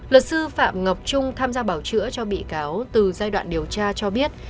luật sư phạm ngọc trung tham gia bảo chữa cho bị cáo từ giai đoạn điều tra cho biết